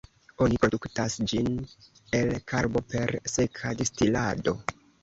Oni produktas ĝin el karbo per seka distilado.